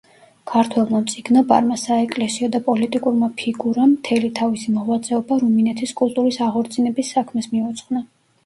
ქართველმა მწიგნობარმა, საეკლესიო და პოლიტიკურმა ფიგურამ, მთელი თავისი მოღვაწეობა რუმინეთის კულტურის აღორძინების საქმეს მიუძღვნა.